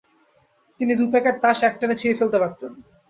তিনি দুপ্যাকেট তাস একটানে ছিঁড়ে ফেলতে পারতেন।